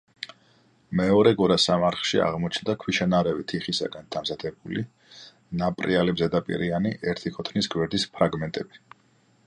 მეორე გორასამარხში აღმოჩნდა ქვიშანარევი თიხისაგან დამზადებული ნაპრიალებზედაპირიანი, ერთი ქოთნის გვერდის ფრაგმენტები.